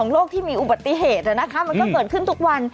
โรคที่มีอุบัติเหตุมันก็เกิดขึ้นทุกวัน